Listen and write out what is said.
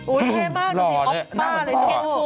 อุ๊ยเท่มากดูสิออกป๊าเลย